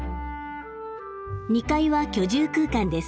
２階は居住空間です。